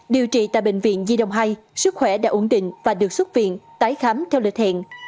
điều trị tại bệnh viện di động hai sức khỏe đã ổn định và được xuất viện tái khám theo lệ thiện